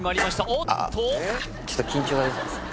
おっとちょっと緊張が出てますね